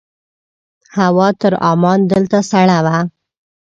هوا تر عمان دلته سړه وه.